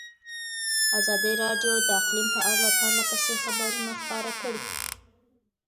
ازادي راډیو د اقلیم په اړه پرله پسې خبرونه خپاره کړي.